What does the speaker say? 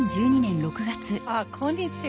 ああこんにちは。